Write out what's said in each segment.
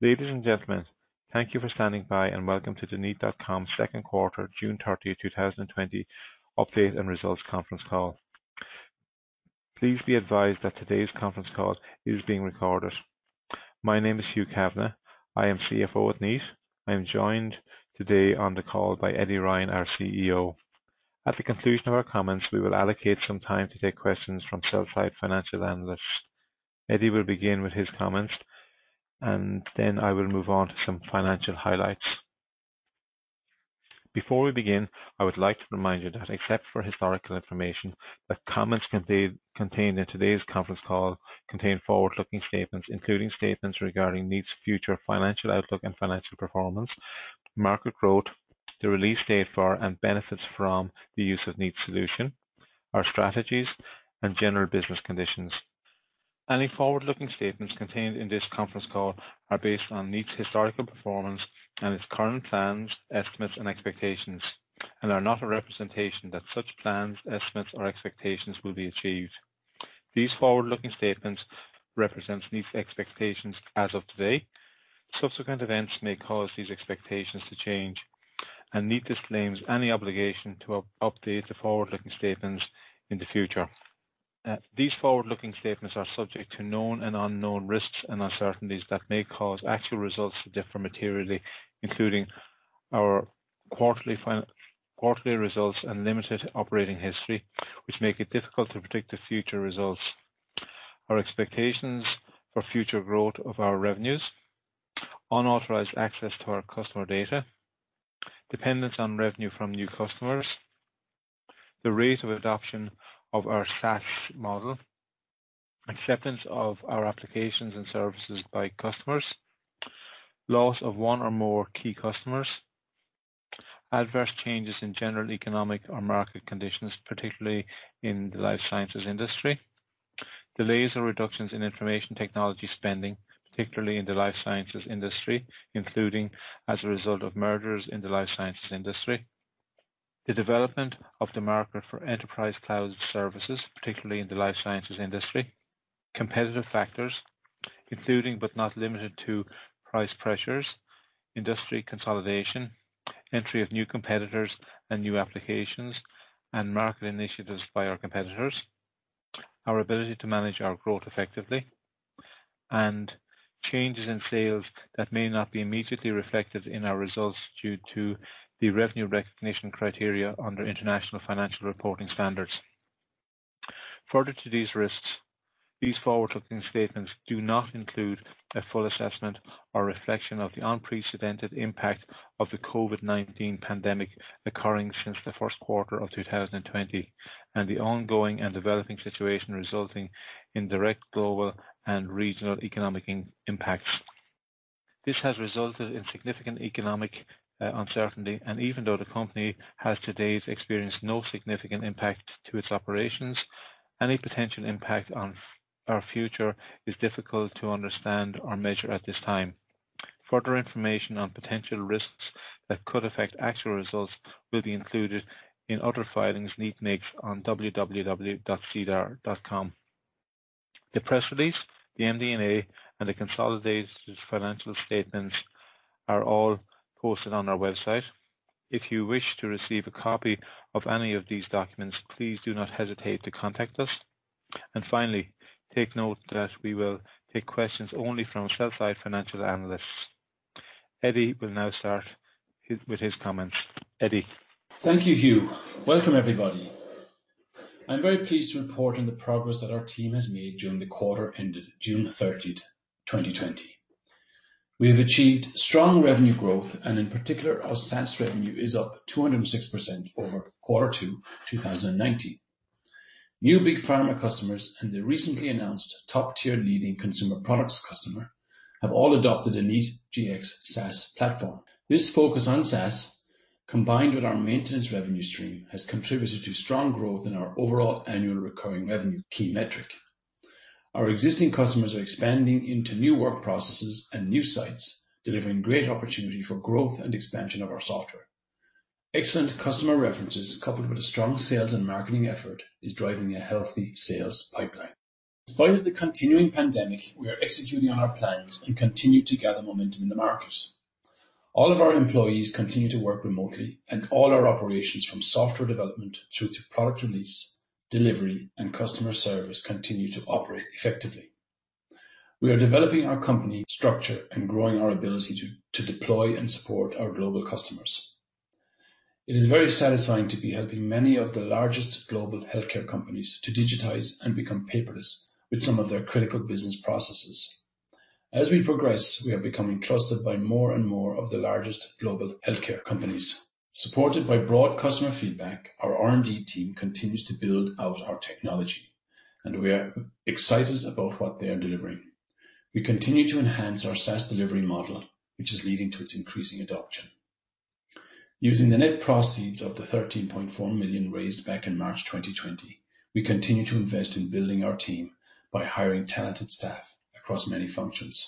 Ladies and gentlemen, thank you for standing by and welcome to the Kneat.com second quarter June 30, 2020 update and results conference call. Please be advised that today's conference call is being recorded. My name is Hugh Kavanagh. I am CFO at Kneat. I'm joined today on the call by Eddie Ryan, our CEO. At the conclusion of our comments, we will allocate some time to take questions from sell-side financial analysts. Eddie will begin with his comments, and then I will move on to some financial highlights. Before we begin, I would like to remind you that except for historical information, that comments contained in today's conference call contain forward-looking statements, including statements regarding Kneat's future financial outlook and financial performance, market growth, the release date for and benefits from the use of Kneat's solution, our strategies, and general business conditions. Any forward-looking statements contained in this conference call are based on Kneat's historical performance and its current plans, estimates, and expectations, and are not a representation that such plans, estimates, or expectations will be achieved. These forward-looking statements represent Kneat's expectations as of today. Subsequent events may cause these expectations to change, and Kneat disclaims any obligation to update the forward-looking statements in the future. These forward-looking statements are subject to known and unknown risks and uncertainties that may cause actual results to differ materially, including our quarterly results and limited operating history, which make it difficult to predict the future results. Our expectations for future growth of our revenues, unauthorized access to our customer data, dependence on revenue from new customers, the rate of adoption of our SaaS model, acceptance of our applications and services by customers, loss of one or more key customers, adverse changes in general economic or market conditions, particularly in the life sciences industry, delays or reductions in information technology spending, particularly in the life sciences industry, including as a result of mergers in the life sciences industry, the development of the market for enterprise cloud services, particularly in the life sciences industry, competitive factors, including but not limited to price pressures, industry consolidation, entry of new competitors and new applications, and market initiatives by our competitors, our ability to manage our growth effectively, and changes in sales that may not be immediately reflected in our results due to the revenue recognition criteria under International Financial Reporting Standards. Further to these risks, these forward-looking statements do not include a full assessment or reflection of the unprecedented impact of the COVID-19 pandemic occurring since the first quarter of 2020, and the ongoing and developing situation resulting in direct global and regional economic impacts. This has resulted in significant economic uncertainty, and even though the company has to date experienced no significant impact to its operations, any potential impact on our future is difficult to understand or measure at this time. Further information on potential risks that could affect actual results will be included in other filings Kneat makes on www.sedar.com. The press release, the MD&A, and the consolidated financial statements are all posted on our website. If you wish to receive a copy of any of these documents, please do not hesitate to contact us. Finally, take note that we will take questions only from sell-side financial analysts. Eddie will now start with his comments. Eddie? Thank you, Hugh. Welcome, everybody. I'm very pleased to report on the progress that our team has made during the quarter ended June 30th, 2020. We have achieved strong revenue growth, and in particular, our SaaS revenue is up 206% over quarter two 2019. New big pharma customers and the recently announced top-tier leading consumer products customer have all adopted a Kneat Gx SaaS platform. This focus on SaaS, combined with our maintenance revenue stream, has contributed to strong growth in our overall annual recurring revenue key metric. Our existing customers are expanding into new work processes and new sites, delivering great opportunity for growth and expansion of our software. Excellent customer references coupled with a strong sales and marketing effort is driving a healthy sales pipeline. In spite of the continuing pandemic, we are executing on our plans and continue to gather momentum in the market. All of our employees continue to work remotely, and all our operations, from software development through to product release, delivery, and customer service continue to operate effectively. We are developing our company structure and growing our ability to deploy and support our global customers. It is very satisfying to be helping many of the largest global healthcare companies to digitize and become paperless with some of their critical business processes. As we progress, we are becoming trusted by more and more of the largest global healthcare companies. Supported by broad customer feedback, our R&D team continues to build out our technology, and we are excited about what they are delivering. We continue to enhance our SaaS delivery model, which is leading to its increasing adoption. Using the net proceeds of the 13.4 million raised back in March 2020, we continue to invest in building our team by hiring talented staff across many functions.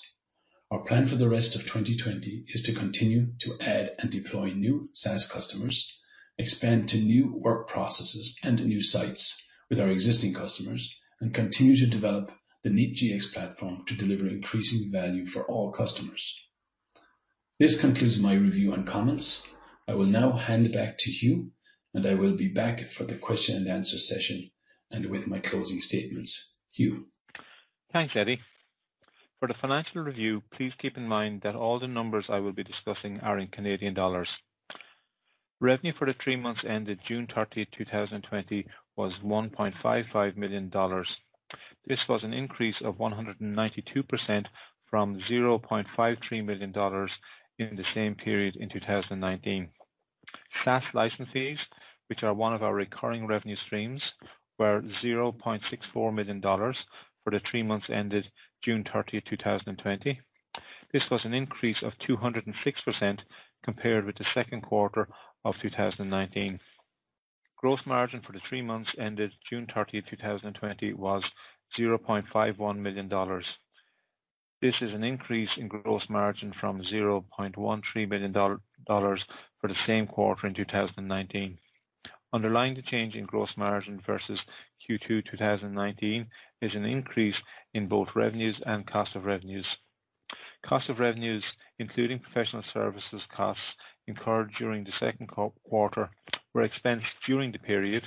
Our plan for the rest of 2020 is to continue to add and deploy new SaaS customers, expand to new work processes and new sites with our existing customers, and continue to develop the Kneat Gx platform to deliver increasing value for all customers. This concludes my review and comments. I will now hand it back to Hugh, and I will be back for the question and answer session and with my closing statements. Hugh. Thanks, Eddie. For the financial review, please keep in mind that all the numbers I will be discussing are in Canadian dollars. Revenue for the three months ended June 30th, 2020 was 1.55 million dollars. This was an increase of 192% from 0.53 million dollars in the same period in 2019. SaaS license fees, which are one of our recurring revenue streams, were 0.64 million dollars for the three months ended June 30th, 2020. This was an increase of 206% compared with the second quarter of 2019. Gross margin for the three months ended June 30th, 2020 was 0.51 million dollars. This is an increase in gross margin from 0.13 million dollars for the same quarter in 2019. Underlying the change in gross margin versus Q2 2019 is an increase in both revenues and cost of revenues. Cost of revenues, including professional services costs incurred during the second quarter, were expensed during the period.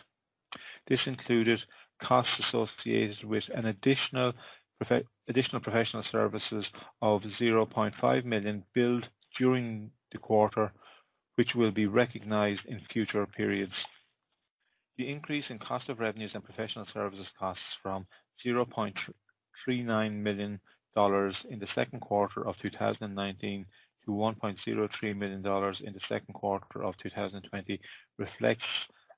This included costs associated with an additional professional services of 0.5 million billed during the quarter, which will be recognized in future periods. The increase in cost of revenues and professional services costs from 0.39 million dollars in the second quarter of 2019 to 1.03 million dollars in the second quarter of 2020 reflects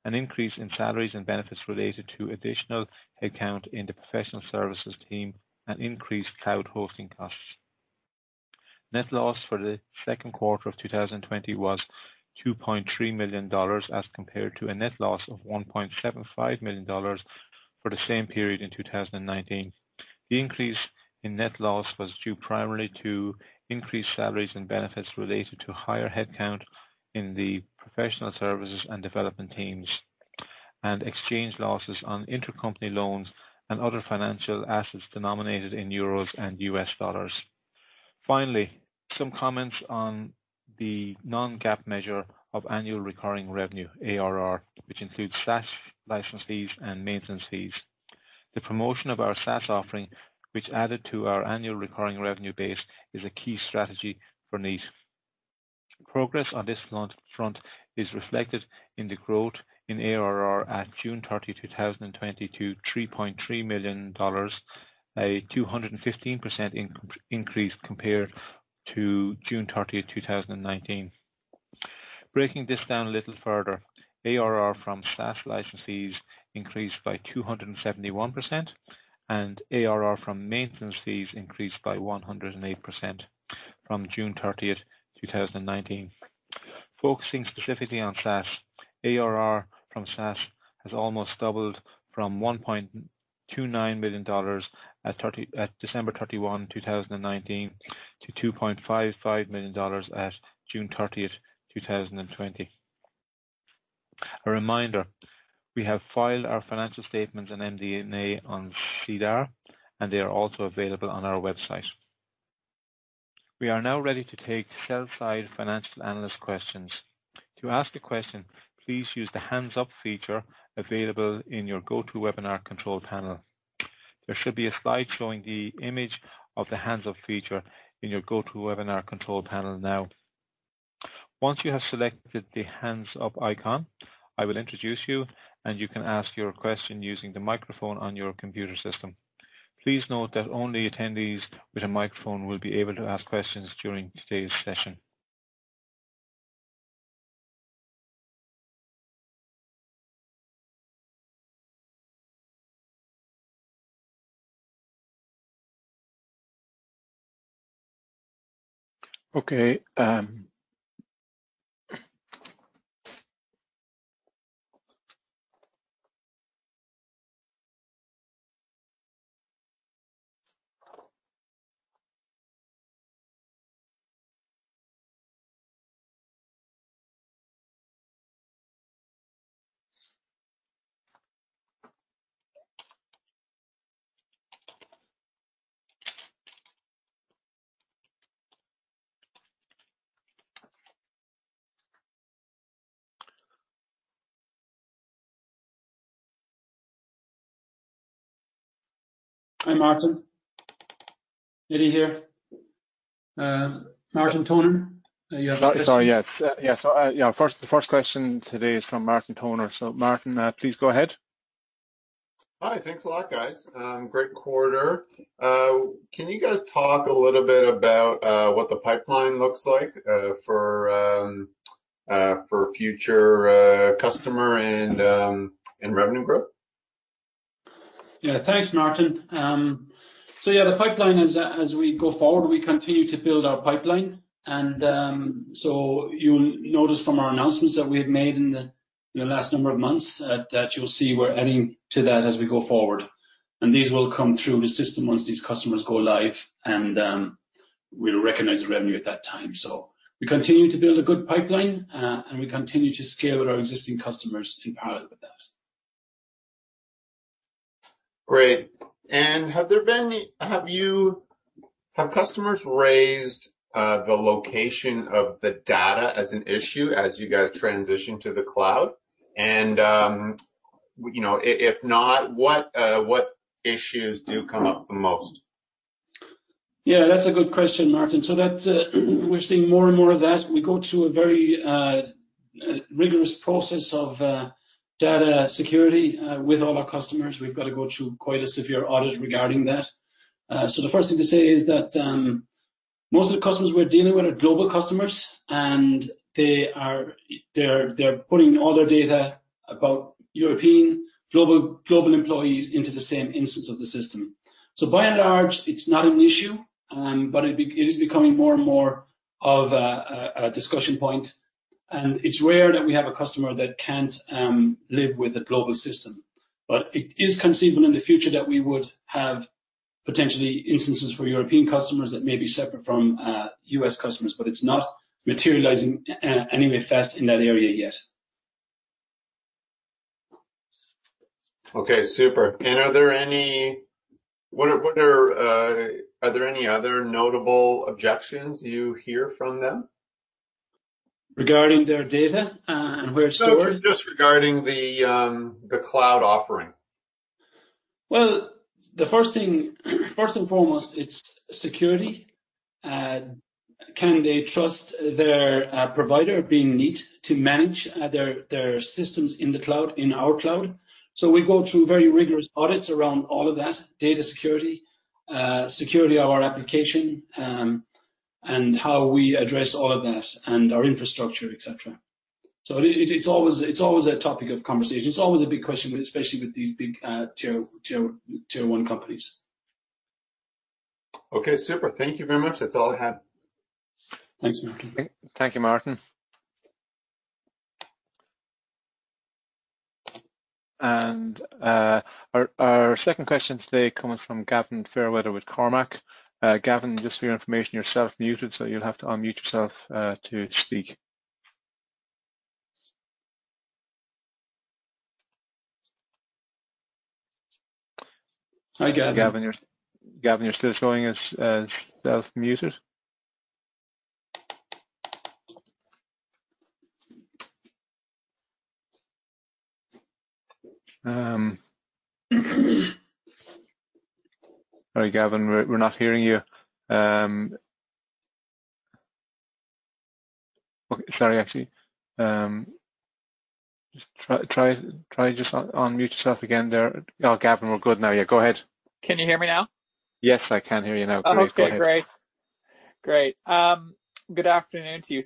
an increase in salaries and benefits related to additional headcount in the professional services team and increased cloud hosting costs. Net loss for the second quarter of 2020 was 2.3 million dollars, as compared to a net loss of 1.75 million dollars for the same period in 2019. The increase in net loss was due primarily to increased salaries and benefits related to higher headcount in the professional services and development teams, and exchange losses on intercompany loans and other financial assets denominated in euros and US dollars. Finally, some comments on the non-GAAP measure of annual recurring revenue, ARR, which includes SaaS license fees and maintenance fees. The promotion of our SaaS offering, which added to our annual recurring revenue base, is a key strategy for Kneat. Progress on this front is reflected in the growth in ARR at June 30th, 2020 to 3.3 million dollars, a 215% increase compared to June 30th, 2019. Breaking this down a little further, ARR from SaaS license fees increased by 271%, and ARR from maintenance fees increased by 108% from June 30th, 2019. Focusing specifically on SaaS, ARR from SaaS has almost doubled from 1.29 million dollars at December 31st, 2019 to 2.55 million dollars at June 30th, 2020. A reminder, we have filed our financial statements and MD&A on SEDAR, and they are also available on our website. We are now ready to take sell-side financial analyst questions. To ask a question, please use the hands up feature available in your GoTo Webinar control panel. There should be a slide showing the image of the hands up feature in your GoTo Webinar control panel now. Once you have selected the hands up icon, I will introduce you, and you can ask your question using the microphone on your computer system. Please note that only attendees with a microphone will be able to ask questions during today's session. Okay. Hi, Martin. Eddie here. Martin Toner. You have the floor. Sorry, yes. The first question today is from Martin Toner. Martin, please go ahead. Hi. Thanks a lot, guys. Great quarter. Can you guys talk a little bit about what the pipeline looks like for future customer and in revenue growth? Thanks, Martin. The pipeline as we go forward, we continue to build our pipeline, you'll notice from our announcements that we have made in the last number of months that you'll see we're adding to that as we go forward. These will come through the system once these customers go live, and we'll recognize the revenue at that time. We continue to build a good pipeline, and we continue to scale with our existing customers in parallel with that. Great. Have customers raised the location of the data as an issue as you guys transition to the cloud? If not, what issues do come up the most? Yeah, that's a good question, Martin. That we're seeing more and more of that. We go through a very rigorous process of data security with all our customers. We've got to go through quite a severe audit regarding that. The first thing to say is that most of the customers we're dealing with are global customers, and they're putting all their data about European global employees into the same instance of the system. By and large, it's not an issue, but it is becoming more and more of a discussion point. It's rare that we have a customer that can't live with a global system. It is conceivable in the future that we would have potentially instances for European customers that may be separate from U.S. customers, but it's not materializing anywhere fast in that area yet. Okay, super. Are there any other notable objections you hear from them? Regarding their data and where it's stored? No, just regarding the cloud offering. Well, the first thing, first and foremost, it's security. Can they trust their provider, being Kneat, to manage their systems in the cloud, in our cloud? We go through very rigorous audits around all of that data security of our application, and how we address all of that, and our infrastructure, et cetera. It's always a topic of conversation. It's always a big question, especially with these big tier 1 companies. Okay, super. Thank you very much. That's all I had. Thanks, Martin. Thank you, Martin. Our second question today coming from Gavin Fairweather with Cormark. Gavin, just for your information, you're self-muted, so you'll have to unmute yourself to speak. Hi, Gavin. Gavin, you're still showing as self-muted. All right, Gavin, we're not hearing you. Okay, sorry, actually. Try just to unmute yourself again there. Oh, Gavin, we're good now. Yeah, go ahead. Can you hear me now? Yes, I can hear you now. Go ahead. Okay, great. Good afternoon to you.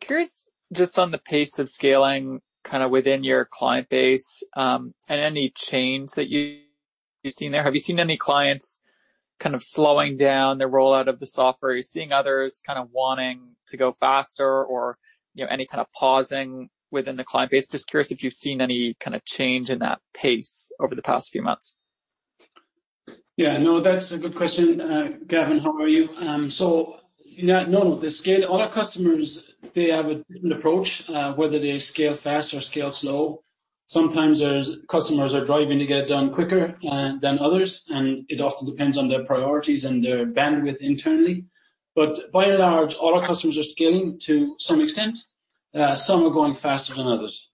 Curious just on the pace of scaling kind of within your client base, and any change that you've seen there. Have you seen any clients kind of slowing down their rollout of the software? Are you seeing others kind of wanting to go faster or any kind of pausing within the client base? Just curious if you've seen any kind of change in that pace over the past few months. Yeah, no, that's a good question. Gavin, how are you? No, all our customers, they have a different approach, whether they scale fast or scale slow. Sometimes our customers are driving to get it done quicker than others, and it often depends on their priorities and their bandwidth internally. By and large, all our customers are scaling to some extent. Some are going faster than others.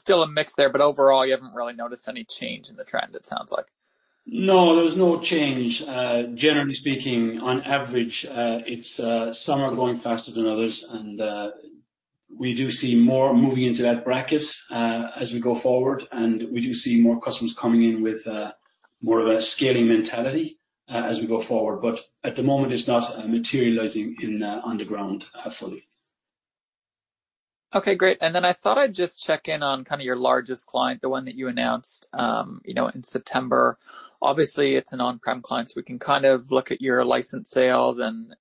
Still a mix there, but overall, you haven't really noticed any change in the trend, it sounds like. No, there was no change. Generally speaking, on average, some are going faster than others, and we do see more moving into that bracket as we go forward, and we do see more customers coming in with more of a scaling mentality as we go forward. At the moment, it's not materializing on the ground fully. Okay, great. I thought I'd just check in on kind of your largest client, the one that you announced in September. Obviously, it's an on-prem client, so we can kind of look at your licensed sales and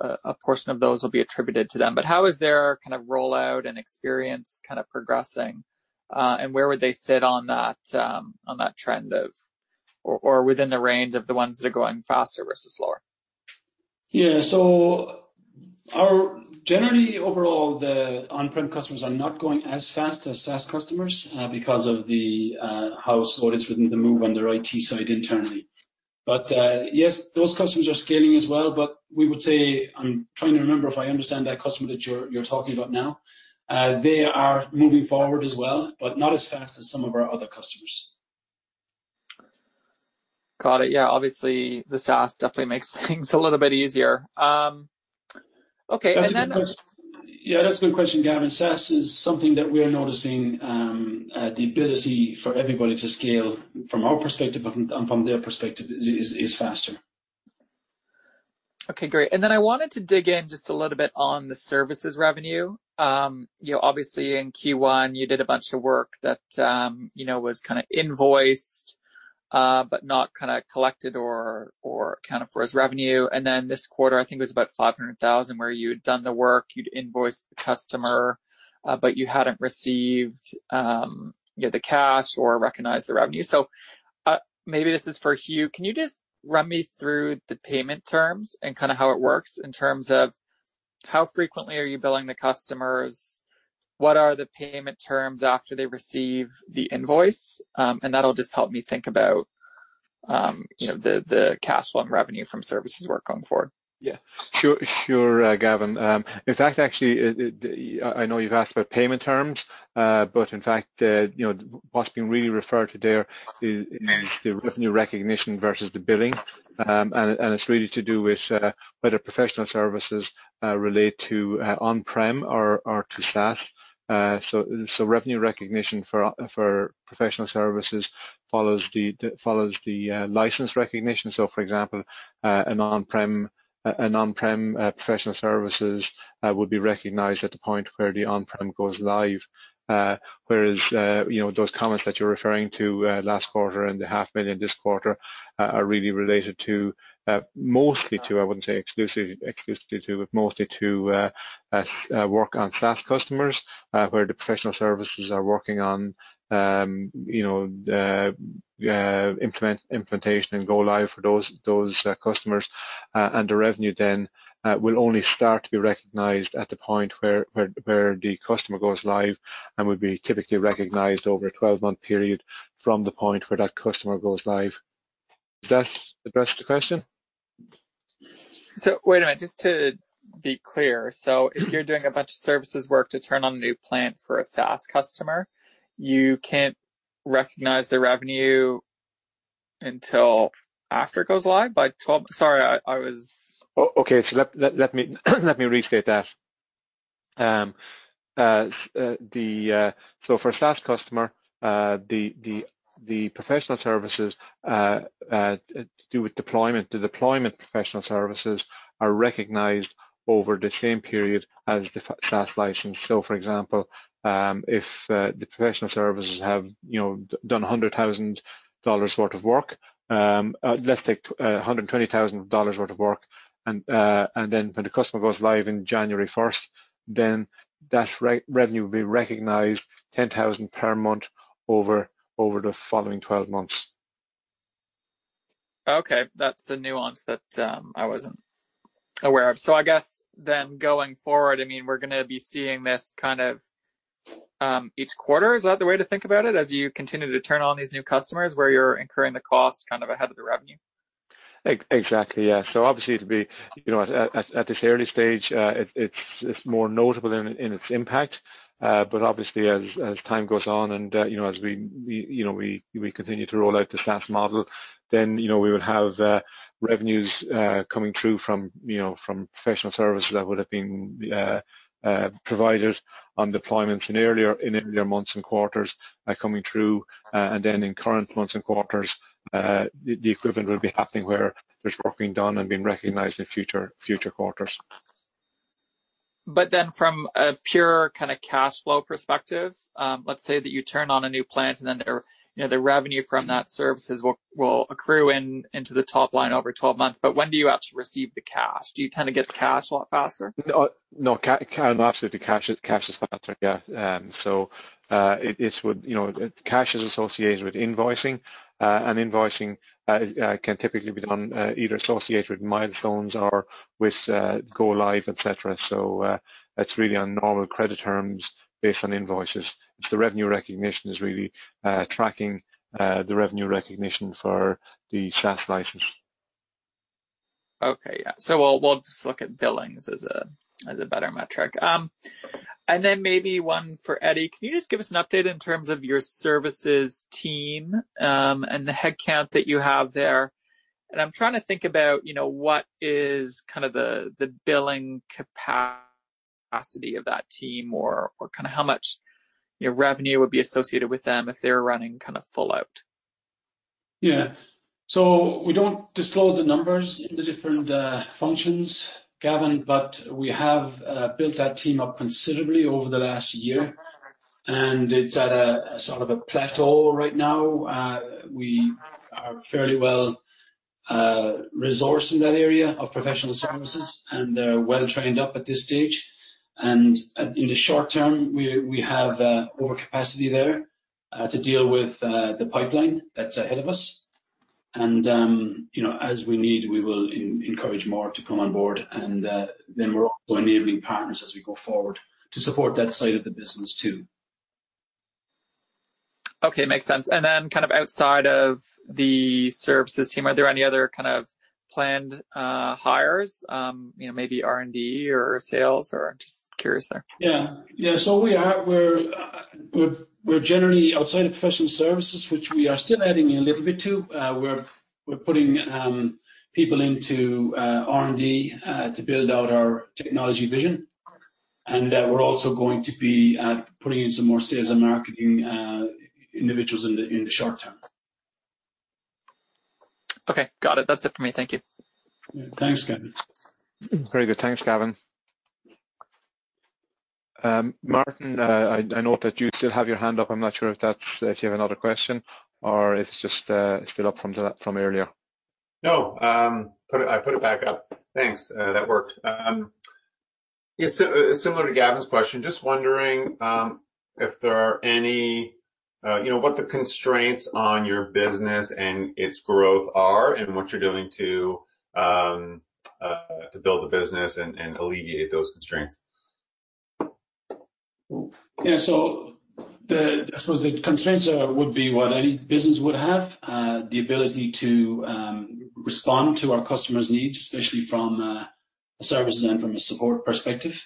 a portion of those will be attributed to them. How is their kind of rollout and experience kind of progressing? Where would they sit on that trend of, or within the range of the ones that are going faster versus slower? Yeah. Generally, overall, the on-prem customers are not going as fast as SaaS customers because of the in-house audits within the move on their IT side internally. Yes, those customers are scaling as well, but we would say. I'm trying to remember if I understand that customer that you're talking about now. They are moving forward as well, but not as fast as some of our other customers. Got it. Yeah, obviously, the SaaS definitely makes things a little bit easier. Yeah, that's a good question, Gavin. SaaS is something that we are noticing the ability for everybody to scale from our perspective and from their perspective is faster. Okay, great. I wanted to dig in just a little bit on the services revenue. Obviously, in Q1, you did a bunch of work that was kind of invoiced but not kind of collected or counted for as revenue. This quarter, I think it was about 500,000 where you had done the work, you'd invoiced the customer, but you hadn't received the cash or recognized the revenue. Maybe this is for Hugh. Can you just run me through the payment terms and kind of how it works in terms of how frequently are you billing the customers? What are the payment terms after they receive the invoice? That'll just help me think about the cash flow and revenue from services work going forward. Yeah. Sure, Gavin. In fact, actually, I know you've asked about payment terms, but in fact, what's being really referred to there is- Yea. The revenue recognition versus the billing. It's really to do with whether professional services relate to on-prem or to SaaS. Revenue recognition for professional services follows the license recognition. For example, an on-prem professional services would be recognized at the point where the on-prem goes live. Whereas, those comments that you're referring to last quarter and the half million this quarter are really related mostly to, I wouldn't say exclusively to, but mostly to work on SaaS customers, where the professional services are working on implementation and go live for those customers. The revenue then will only start to be recognized at the point where the customer goes live and would be typically recognized over a 12-month period from the point where that customer goes live. Does that address the question? Wait a minute, just to be clear. If you're doing a bunch of services work to turn on a new plant for a SaaS customer, you can't recognize the revenue until after it goes live by 12? Okay. Let me restate that. For a SaaS customer, the professional services to do with deployment, the deployment professional services are recognized over the same period as the SaaS license. For example, if the professional services have done 100,000 dollars worth of work, let's take 120,000 dollars worth of work, when the customer goes live in January 1st, that revenue will be recognized 10,000 per month over the following 12 months. Okay. That's a nuance that I wasn't aware of. I guess then going forward, we're going to be seeing this each quarter. Is that the way to think about it as you continue to turn on these new customers where you're incurring the cost ahead of the revenue? Exactly. Yeah. Obviously, at this early stage, it's more notable in its impact. Obviously, as time goes on and as we continue to roll out the SaaS model, we would have revenues coming through from professional services that would've been providers on deployments in earlier months and quarters coming through. In current months and quarters, the equivalent will be happening where there's work being done and being recognized in future quarters. From a pure kind of cash flow perspective, let's say that you turn on a new plant and then the revenue from that services will accrue into the top line over 12 months, but when do you actually receive the cash? Do you tend to get the cash a lot faster? No, absolutely. The cash is faster. Yeah. Cash is associated with invoicing, and invoicing can typically be done either associated with milestones or with go live, et cetera. It's really on normal credit terms based on invoices. It's the revenue recognition is really tracking the revenue recognition for the SaaS license. Okay. Yeah. We'll just look at billings as a better metric. Maybe one for Eddie. Can you just give us an update in terms of your services team, and the headcount that you have there? I'm trying to think about what is the billing capacity of that team or how much revenue would be associated with them if they're running full out. Yeah. We don't disclose the numbers in the different functions, Gavin, but we have built that team up considerably over the last year, and it's at a sort of a plateau right now. We are fairly well resourced in that area of professional services, and they're well trained up at this stage. In the short term, we have over capacity there to deal with the pipeline that's ahead of us. As we need, we will encourage more to come on board. We're also enabling partners as we go forward to support that side of the business too. Okay, makes sense. Outside of the services team, are there any other kind of planned hires, maybe R&D or sales, or just curious there? We're generally outside of professional services, which we are still adding a little bit to. We're putting people into R&D to build out our technology vision, and we're also going to be putting in some more sales and marketing individuals in the short term. Okay. Got it. That's it for me. Thank you. Thanks, Gavin. Very good. Thanks, Gavin. Martin, I note that you still have your hand up. I'm not sure if you have another question or it's just still up from earlier. No, I put it back up. Thanks. That worked. Yeah, similar to Gavin's question, just wondering what the constraints on your business and its growth are, and what you're doing to build the business and alleviate those constraints? I suppose the constraints are would be what any business would have, the ability to respond to our customers' needs, especially from a services and from a support perspective.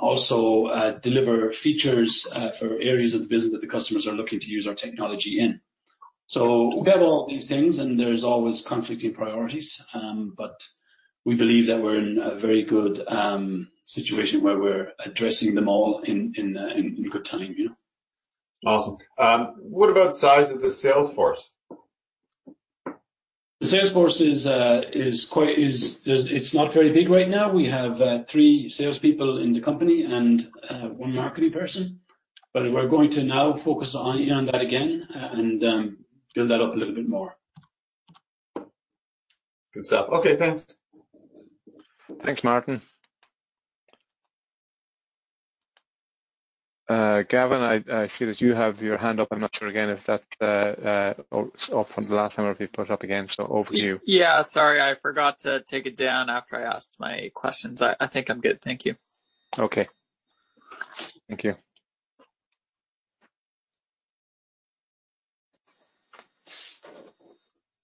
Also deliver features for areas of the business that the customers are looking to use our technology in. We have all these things, and there's always conflicting priorities. We believe that we're in a very good situation where we're addressing them all in good time. Awesome. What about size of the sales force? The sales force it's not very big right now. We have three salespeople in the company and one marketing person. We're going to now focus in on that again and build that up a little bit more. Good stuff. Okay, thanks. Thanks, Martin. Gavin, I see that you have your hand up. I'm not sure, again, if that's up from the last time or if you've put it up again. Over to you. Yeah, sorry, I forgot to take it down after I asked my questions. I think I'm good. Thank you. Okay. Thank you.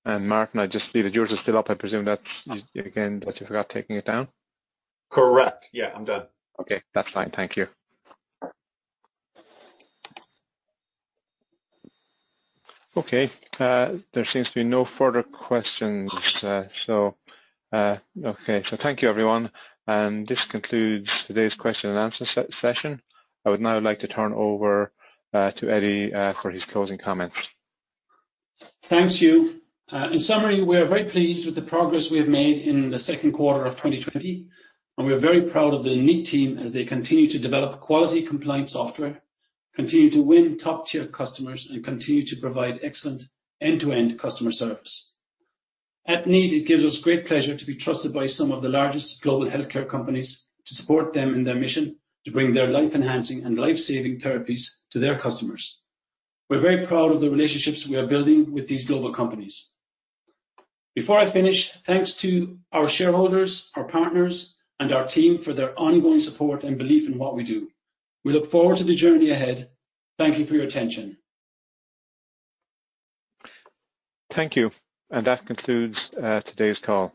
Martin, I just see that yours is still up. I presume that's, again that you forgot taking it down? Correct. Yeah, I'm done. Okay, that's fine. Thank you. Okay, there seems to be no further questions. Okay. Thank you, everyone, and this concludes today's question and answer session. I would now like to turn over to Eddie for his closing comments. Thanks, Hugh. In summary, we're very pleased with the progress we have made in the second quarter of 2020. We are very proud of the Kneat team as they continue to develop quality compliance software, continue to win top-tier customers, and continue to provide excellent end-to-end customer service. At Kneat, it gives us great pleasure to be trusted by some of the largest global healthcare companies to support them in their mission to bring their life-enhancing and life-saving therapies to their customers. We're very proud of the relationships we are building with these global companies. Before I finish, thanks to our shareholders, our partners, and our team for their ongoing support and belief in what we do. We look forward to the journey ahead. Thank you for your attention. Thank you. That concludes today's call.